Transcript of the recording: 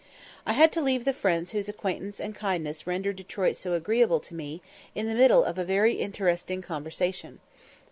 I had to leave the friends whose acquaintance and kindness rendered Detroit so agreeable to me, in the middle of a very interesting conversation.